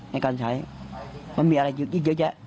ในการใช้มันมีอะไรอยู่อีกเยอะแยะ